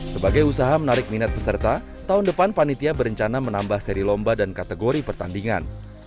sebagai usaha menarik minat peserta tahun depan panitia berencana menambah seri lomba dan kategori pertandingan